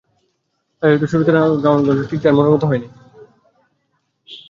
তাই হয়তো শুরুতে গাওয়া গানগুলি ঠিক তাঁর মনের মতো হয়ে ওঠেনি।